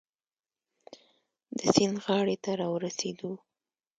د سیند غاړې ته را ورسېدو.